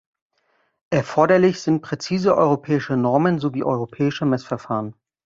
Erforderlich sind präzise europäische Normen sowie europäische Messverfahren.